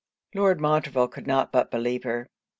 Lord Montreville could not but believe her.